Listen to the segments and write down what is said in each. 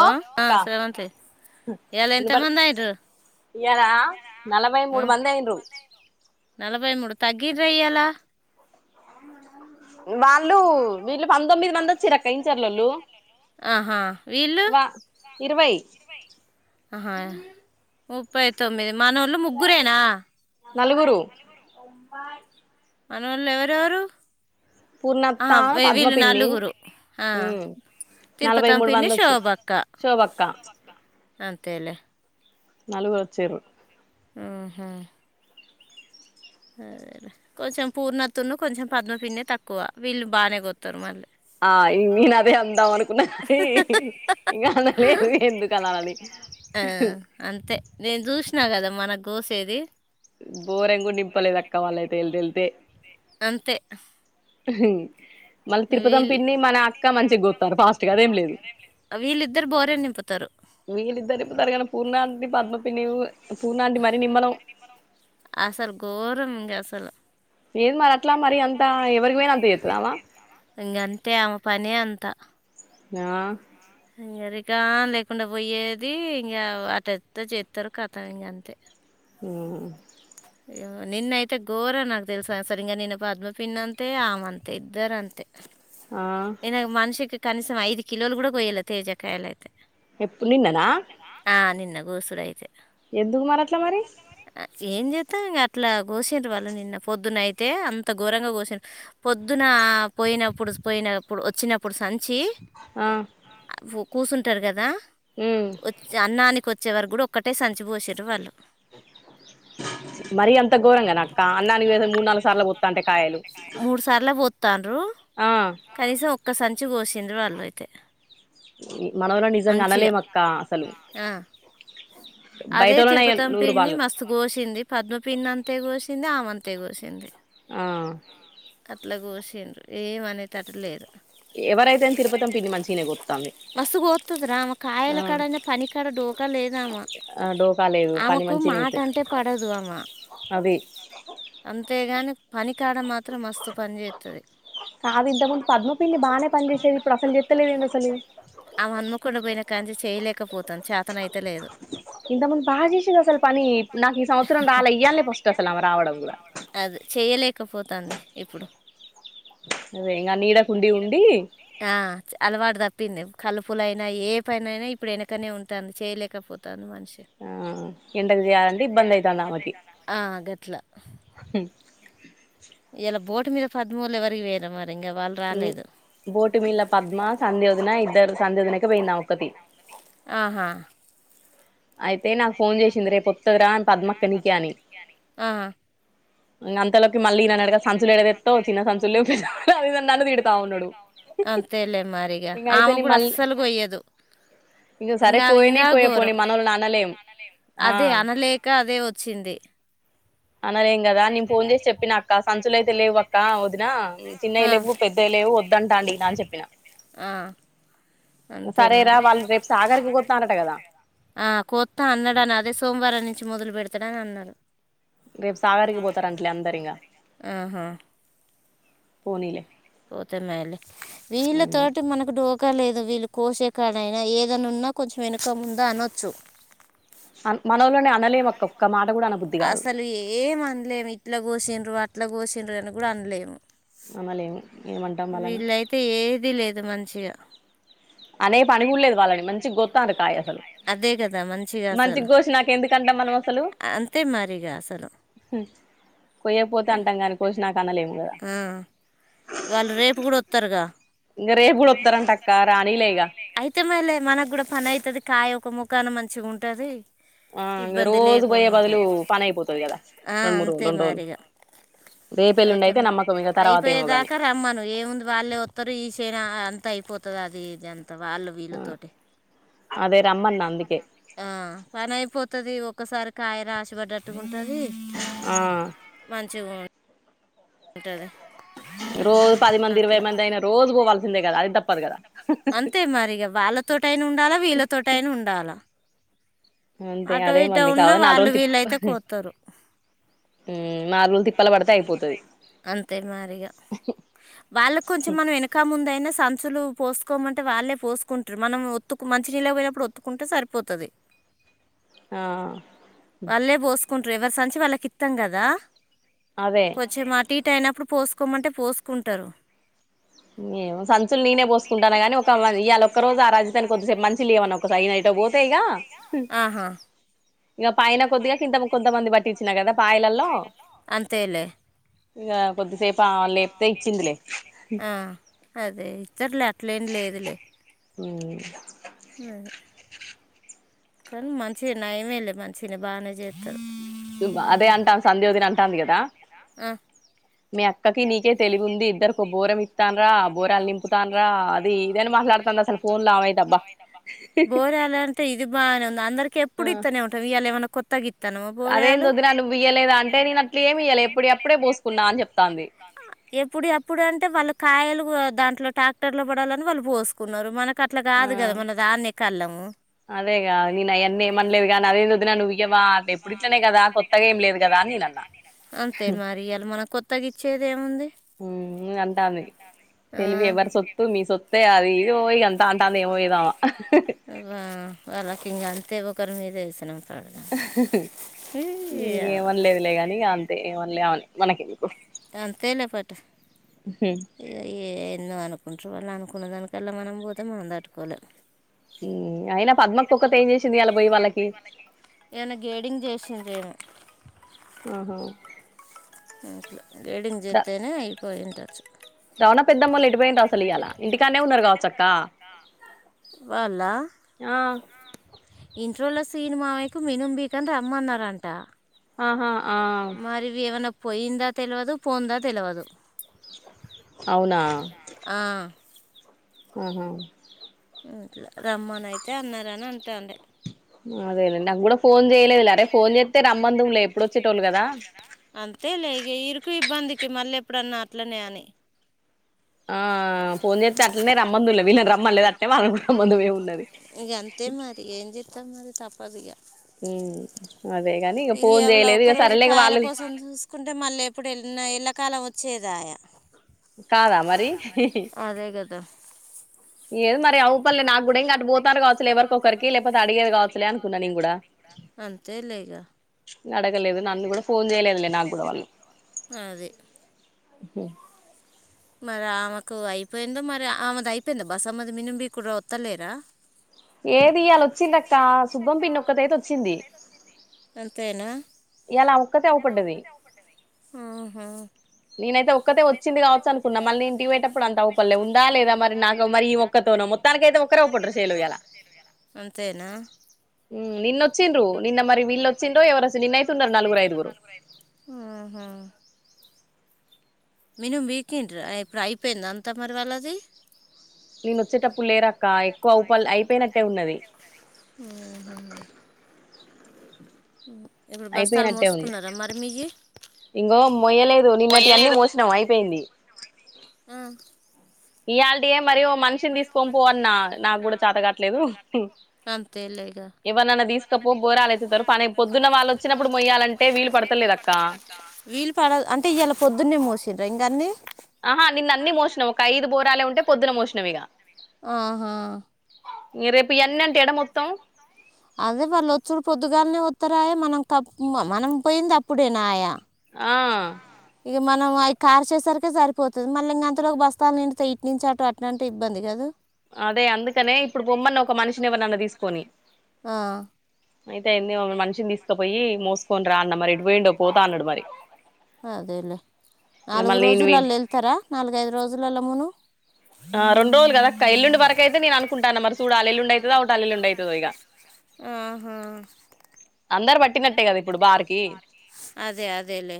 ఆ ఆ స్రవంతి ఈయాల ఎంత మంది అయ్యారు ఇయలా నలభై మూడు మంది అయ్యిండ్రు నలభై మూడు తగ్గిరే ఇయ్యలా వాళ్ళు వీళ్ళు పంతొమ్మిది మంది వచ్చి అక్క ఇంచర్లలోలు ఆహా వీళ్ళ ఇరవై ఆహా ముప్పై తొమ్మిది మానోళ్ళ ముగ్గురేనా నలుగురు మనోళ్లు ఎవరెవరు ఆహా వీళ్ళు నలుగురు ఆ తిరుపతమ్మ పిన్ని శోభ అక్క అంతేలే నలగు వచ్చరు ఉహు సరే లే కొంచెం పూర్ణ అత్త ఉన్ను కొంచెం పద్మ పిన్నే తక్కువ వీళ్ళు బాగానే కొస్తారు మళ్ళీ ఆ ఇ నేను అదే అందాం అనుకున్నా ఇగ అనలేదు ఎందుకు అనాలని ఆ అంతే నేను చూసినా కదా మనకు గోసేది బోరెంగ గూడ నింప లేదు అక్క వాళ్ళైతే ఏళ్తే ఏళ్తే అంతే అ మళ్ళీ తిరుపతిం పిన్ని మన అక్క మంచిగా గొస్తారు ఫాస్ట్ గా అదేం లేదు వీళ్ళిద్దరూ నింపుతారు గాని పూర్ణ ఆంటీ పద్మ పిన్ని ఊ పూర్ణ ఆంటీ మరి నిమ్మలం ఏం మరి అట్లా మరి అంత ఎవరు ఎం అనిపియ్యదా ఆమె ఇంగ అంతే ఆమె పని అంత త నా ఇంగ రికామ్ లేకుండా పోయేది ఇంగ అటుతా చేస్తారు కథం ఇంగ అంతే హు నిన్నయితే ఘోర నాకు తెలుసా సరిగా నేను పద్మ పిన్న అంతే ఆమె అంతే ఇద్దరు అంతే నిన్న మనిషికి కనీసం ఐదు కిలోలు కూడా కొయాలే తేజకాయలు అయితే ఎప్పుడు నిన్ననా ఆ నిన్న గోసుడ అయితే ఎందుకు మరి అట్లా మరి ఏం చేస్తాం ఇంగ అట్లా కోసిరు వాళ్ళు నిన్న పొద్దున అయితే అంత ఘోరంగా కోసిరు పొద్దున ఆ పోయినప్పుడు పోయినప్పుడు వచ్చినప్పుడు సం చి హు కూసుంటారు కదా వచ్చి అన్నానీకొచ్చి వచ్చేవరకు కూడా ఒక్కటే సంచి కోసిరు వాళ్ళు మరీ అంత గోరంగా అక్క అన్నానికి పోయేటోలు మూడు నాలుగు సార్లు పోతంటే కాయలు మూడు మూడుసార్లు పో వస్తాండ్రు అ ఒక్క సంచి కోసిరు వాళ్ళు అయితే మనోళ్ళని నిజంగా అనలేముఅక్క అసలు అదే తిరుపతమ్ పిన్ని మస్తు గొసింది పద్మ పిన్ అంత్ తె గోసింది ఆమె అంతే గోసింది ఆ అట్లా కోసిండ్రు ఏమ్ అనేటటు లేదు ఎవరైతేనేమ్ తిరుపతం పిన్ని మంచిగనే కొ మస్తు గోత్తది రా ఆమ కాయల కడనా పని కాడ డోకా లేదామా. ఆమెకు మాట అంటే పడదు ఆమ అంతేగాని పని కాడా మాత్రం మస్తు పని చేేత్తది. కాదు ఇంతముందు పద్మ పిన్ని బానే పనిచేసేది ఇప్పుడు అసలు చెత్తలేదు అసలు. ఆమ హన్మకొండ పోయినకా నుంచి చేయలేకపోతాంది చతనై [inaudible] ఇంతముందు బాగా చేసేది అసలు పని నాకు ఈ సంవత్సరం రాలా ఇయ్యాలనే ఫస్ట్ అసలు ఆమె రావడం కూడా. చేయలేకపోతంది ఇప్పుడు అదే నీడకు ఉండి ఉండి అలవాటు తప్పిందిమో కలుపులైనా ఏ పనయినా ఇప్పుడు వెనకనే ఉంటంది చేయలేకపోతంది మనిషి. ఆ ఎండకు చేయాలంటే ఇబ్బంది అవుతంది ఆమెకి. ఇయలా బోటు మీద పద్మూలు ఎవరికి పోయిండ్రో మరి. ఇన్ బోటిమిల పద్మ సంధ్య వదిన ఇద్దరు సంధ్య వదినకే పోయింది ఆమె ఒక్కతి. ఆహా అయితే నాకు ఫోన్ చేసింది రేపు వొత్తదిరా అని పద్మక్క నీకి అని. ఇ నమ్ తలకి మళ్ళీ నన్ను అడగవ్ సంచులు ఇడ బెట్టవ్ చిన్న సంచులేవ్ నన్ను తీడ్ తా ఉన్నాడు లే మరిగా ఆమె కూడా అస్సలు కొయ్యదు ఇంకా ఆమె ఇంకా ఘోరం. పోనీ మనల్లోని అనలేం అదే అనలేక అదే వచ్చింది. అనలేేం కదా నేను ఫోన్ చేసి చెప్పిన అక్క సంచుల అయితే లేవు అక్క వదినా చిన్నవి లేవు పెద్దవి లేవు వొ వద్దంటండు ఈయన అని చెప్పిన ఆ సరే రా వాళ్ళు రేపు సాగరికి పోతారట కదా ఆ కోత్తా అన్నాడని అదే సోమవారం నుంచి మొదలు పెడతాడని అన్నారు. రేపు సాగారికి పోతారంట్లే అందరు ఇంగా ఆహా పోనీలే పోతే మేళ్లే వీళ్ళ తోటి మనకు డోక్ అక్కలేదు వీళ్ళు కోసే కాడైనా ఏదైన్నా ఉన్నా కొంచెం వెనుకముందా అనొచ్చు. మనొల్ని అనలేమ్ అక్క ఒక్క మాట్ అసలు ఎమ్ అనలేము ఇట్లా కోసిండ్రు అట్లా కోసిండ్రు అని కూడా అనలేము. అనలేము వీళ్ళయితే ఏది లేదు మంచిగా అదే కదా మంచిగా అసలు అంతే మరిగా అసలు ఉ కొయ్యకపోతే అంటాం కాని కోసినాకా అనలేము కదా. ఇంకా రేపు కూడా వొత్తరాంటక్క రానిలే ఇగా అయితే మేళ్లే మనకు కూడా పని అయితది కాయ ఒక ముఖాన మంచిగా ఉంటది. ఇబ్బంది లేకుండా ఉంటారు ఆ అంతే మరి ఇగా అయితే మ్యా అయిపోయేదాకా రమ్మను ఏముంది వాళ్ళే వస్తారు ఈ సెను అంత అయిపోత్ త్తది అది ఇది ఎంత వాళ్ళు వీళ్ళతోటి అదే రమన్నా అందుకే ఆ పని అయిపోతది ఒకసారి కాయ్ రా చిపడిడట్టుగా [unintelligible] ఉంటుంది మంచిగా ఉంటది రోజు పది మంది ఇరవై మంది అయిన రోజు పోవాల్సిందే కదా అది తప్పదు కదా. అంతే మరి ఇగ వాళ్ళతోట అయినా ఉండాలా వీళ్ళతోట అయినా ఉండాలా అంతే అదే మంది పాపం నాలుగు రోజులు తిప్పు ఆ నాలుగు రోజులు తిప్పు అంతే మరి ఇగా వాళ్ళకి కొంచెం మనం వెనక ముందు అయినా సంత సంచులు పోసుకోమంటే వాళ్ళే పోసుకుంటారు మనం ఒత్తుకు మంచి నీళ్ళు కు పోయినప్పుడు ఒత్తుకుంటే సరిపోతాది ఆ ఎవరి సంచి వాళ్ళకి ఇత్తాం కదా కొంచెం అటు ఇటు అయినప్పుడు పోసుకోమంటే పోసుకుంటారు నేను సంచులు నేనే పోసుకుంటాన్న కాని కాదమది ఇయాల ఒక్క రోజు ఆ రజాతని కొద్దిసేపు మంచిలు లేవని ఒకసారి ఇట పోతేఇగ అంతేలే ఇంగా కొద్దిసేపు ఆ అదే ఇత్తరులే అట్లేని లేదులే మ్మ్ నవును కానీ మంచిగా నయమే లే మంచిగానే బాగానే చేత్తారు అదే అంటాంది సంధ్య వదిన అంటాంది కదా ఆ నీ అత్తకి నీకే తెలివి ఉంది ఇద్దరు ఒక బోరం ఇస్తానార బోరాలు నింపుతన రా అది బోర్ అని అంటే ఇది బాగానే ఉంది అందరు ఎప్పుడు ఇత్తనే ఉంటాది ఇయాలా ఏమన్నా కొత్తగా అది ఏంది వదిన నువ్వు ఇయ్యలేదా అంటే నేను అట్లా ఏమి ఇయ్యలే ఎప్పుడవి అప్పుడే అంటే వాళ్ళు కాయలు దాంట్లో ట్రాక్టర్ లో పడాలని వాళ్ళు పోసుకున్నారు మనకు అట్లా కాదు కదా మన దాన్నె కల్ళా అను అదే ఇగా నిను అయన్ని ఏమి అనలేదు గాని అది ఏంది వదిన నువ్వు ఇయ్యవ దేవుని కిట్లె కదా కొత్తగా ఏం లేదు అంతే మరి ఇయలా మన కొత్తగా ఇచ్చేది ఏముంది మ్మ్ అంటాంది తెలివి ఎవరి సొత్తు మీ సొత్తే మ్మ్ వాల్లకింగా అేపుకర్ [unintelligible] మిదే ఇస్తున్నాం మీరు ఏమి అనలేదులేగాని అంతే ఏమనలే అని మనకి ఎందుకు అంతెనే పట్టు ఏందొ అను బయటి వాళ్ళు అనుకున్న దానికల్లా మనం పోతే మనం దట్టుకోలేం మ్మ్ అయినా పద్మక్క ఒక్కతే ఏం చేసింది ఇయాల పోయి వాళ్ళకి ఆహ గేడింగ్ జెత్తేనే అయిపోయిండచ్చు రమణ పెద్దమ్మళ్లు ఎటుపోయిండిరొ అసలు ఇయాలా ఇంటి కానే ఉన్నారు కావచ్చు అక్కా వాళ్ళ ఇంట్లొనే సినిమా అయితుంది ఎనిమిదికి అంతా రమ్మన్నారంట ఆహా ఆ పోయిందా తెలవదు పోందా తెలవదు అవునా ఆ ఆహ రమ్మని అయితే అన్నారని అంటాండె అదేలే నాకు కూడా ఫోన్ చెయ్యలేదు లే అరే ఫోన్ చేత్తే రామ్మందుములే ఇప్పుడుచ్చేటోళ్ళు కదా సిబ్బందికి [unintelligible] మళ్ళీ ఎప్పుడన్నా అట్లనే అని ఆ ఫోన్ చేత్తే అట్లానే రమ్మందువులే విళ్ళాని ఇక అంతే మరి ఏం చెస్తా మరి తప్పదు ఇక ఇ ఎవళ ఒక రోజు కాయల కోసం చూసుకుంటే మళ్ళీ ఎప్పుడు వెళ్ళ చిన్న ఎళ్లకాలం వచ్చేదాయ కాదా మరి ఏ లేదు మరి అవ్వల్లే నాకు కూడా ఇంకా అ పోతారు కావచ్చలే ఎరికొ ఒకరికి లేకపోతే అడిగేరు కావచ్చలే అనుకున్నా న కూడా [inaudible] తెలిగా అడగలేదు నన్ను కూడా ఫోన్ చేయలేదుండి నాకు కూడా వాళ్ళు అదే హ మరి ఆమెకు అయిపోయిందో మరి ఆమెది అయిపోయిందో బస్సు అమ్మది మిని మీకు వత్తలేరా ఏది అలాచ్చింది అక్క శుబ్బం పిన్నొక్కదైతే వచ్చింది అంతేనా నేనైతే ఒక్కతే వచ్చింది కావచ్చ అనుకున్నా మళ్ళీ ఇంటికి పోటప్పుడు అంత అవుపర్లేదు ఉందా లేద మ నాకు మరి ఈ ఒక్కతో ఉ మొత్తానికికైతే అంతేనా నిన్నొచ్చిండ్రు నిన్న మరి వీళ్ళుచ్చిండ్ర ఎవరు నిన్నయితున్నారు నలుగురు ఐదుగురు ఆ అయిన నీకేంటి రా ఇప్పుడు అయిపోయింది అంతా మరి వాళ్ళది [inaudible] ఇప్పుడు బస్తాలు మోసుకున్నారా మరి మీది ఇంకో మోయలేదు నిన్నటి అన్ని మోసినాం అయిపోయింది యారు మరి మనిషిని తీసుకోం పో అన్నా నాకు కూడా చాత కాట్లేదు ఎవరు తీసుకపో బోరాలు వత్తుతారు ప పొద్దున్న వాళ్ళు వచ్చినప్పుడు మొయ్యాలంటే వీలు పడతలేదక్క వీళ్ళ పడాల అంటే ఇవాళ పొద్దున్నే మూసిండ ఇంకా అన్ని ఆహా నిన్న అన్ని మోసినాం ఒక ఐదు బోరాలే ఉంటే ఆహా రేపు ఈయన్ని అంటే ఎడ మొత్తం అదే వాళ్ళు వచ్చడు పొద్దుగాలనే వస్తారుయా మనం మనం పోయింది అప్పుడేనాయా ఆ ఇక మనం అవి కార్ చేసరికి సరిపోతుంది మళ్ళీ ఇంకా అంతలోకి బస్తాల నిండితే ఇట్నించాట అట్లాంటి ఇబ్బంది కదు అదే అందుకనే ఇప్పుడు పోమన్న ఒక మనిషిని ఎవనన్న తీసుకొని అయితే ఏ మనిషి తీసుకపోయి మోసుకని రా అన్న మరి ఇటు పోయిండ పోతా అన్నాడు మరి అదేలే నాలుగు రోజులలో వెళ్తారా నాలుగైదు రోజులలో మును ఆ రెండు రోజులు కదా అక్క ఎల్లుండి వరకు అతేేను అనుకుంటాను మరి చూడాలి ఎల్లుండి అవుతుందా అవతల ఎల్లుండి అవుతుందో ఇక ఆహా అదే అదేలేే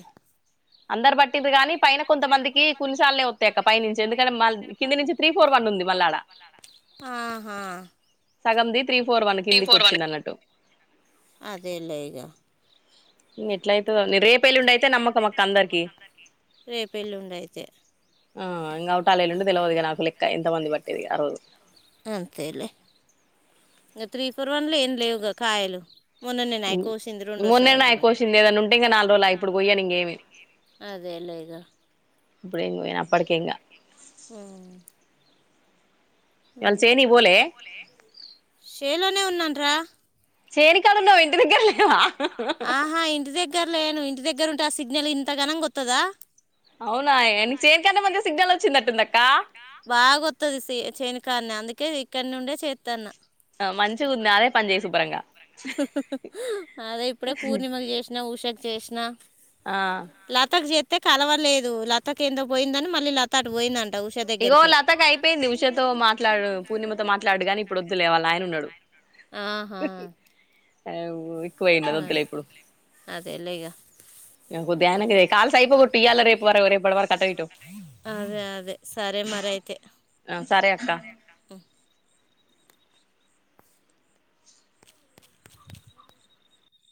అందరు పట్టింది కాగాని పైన కొంతమందికి కొన్నిసార్లనే వస్తాయిక్క పైనుంచి ఎందుకంటే మ కింది నుంచి త్రీ ఫోర్ వన్ ఉంది మళ్ళడ ఆహా సగంది త్రీ ఫోర్ వన్ కిందికి వచ్చింది అన్నట్టు ఎట్ల అయితదొ రేపు ఎల్లుండి అయితే నమ్మకం అక్క అందరికి రేపెళ్ళుండి అయితే ఆ ఇంకా ఒకటాలలుండి తెలియదు నాకు లెక్క ఎంత మంది పట్టేది ఆ రోజు అంతేలే ఇంక త్రీ ఫోర్ వన్లు ఏం లేవు కాయలు మొన్నయ కోసింది ఏదనా ఉంటే ఇంకా నాలుగు రోజులు ఇప్పుడుకి పోయ్యా ఇంకేమి అదే లే ఇగ అప్పుడు అప్పడుకేంగా ఆ షే లోనే ఉన్నాను్రా ఆహా ఇంటి దగ్గర లేను ఇంటి దగ్గర ఇ సిగ్నల్ ఇంత గనంగా గొత్తదా అవునా చేనికంట మంచి సిగ్నల్ వచ్చిందట్టుందక్క బాగొత్తది చేనకాన్ని అందుకే ఇక్కడి నుండే చేస్తాను మంచిు కూర్ంది అదే పంచాయ సుప్రంగా అదే ఇప్పుడే పూర్ణిమలు చేసినా ఉషాకి చేసినా లతకు చేస్తతే కలవలేదు లతకు ఏందో పోయిందని మళ్ళీ లత అటు పోయిందంట ఇగో లత అయిపోయింది ఉషతో మాట్లాడు పూర్ణిమతో మాట్లాడు గాని ఇప్పుడు వద్దులే వాళ ఆయన ఉన్నాడు ఆహా అవు అ అదేలేగా అదే అదే సరే మరి అయితే సారే అక్క క